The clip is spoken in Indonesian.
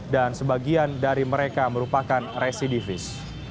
dan sebagian dari mereka merupakan residivis